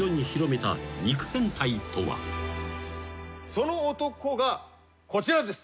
その男がこちらです。